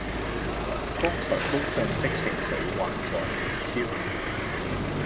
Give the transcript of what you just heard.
剛才高漲的情緒還在燃燒